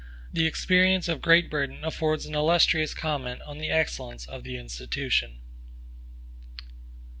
The experience of Great Britain affords an illustrious comment on the excellence of the institution.